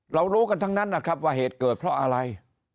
รู้กันทั้งนั้นนะครับว่าเหตุเกิดเพราะอะไร